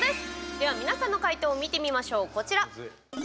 では、皆さんの解答を見てみましょう、こちら。